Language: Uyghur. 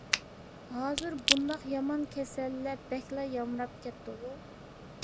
ھازىر بۇنداق يامان كېسەللەر بەكلا يامراپ كەتتىغۇ.